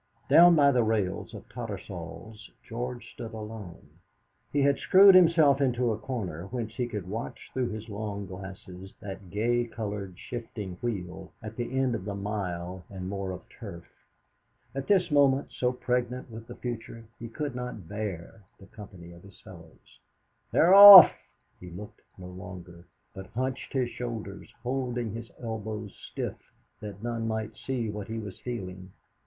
Down by the rails of Tattersall's George stood alone. He had screwed himself into a corner, whence he could watch through his long glasses that gay coloured, shifting wheel at the end of the mile and more of turf. At this moment, so pregnant with the future, he could not bear the company of his fellows. "They're off!" He looked no longer, but hunched his shoulders, holding his elbows stiff, that none might see what he was feeling.